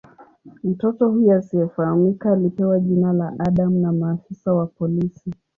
Mtoto huyu asiyefahamika alipewa jina la "Adam" na maafisa wa polisi.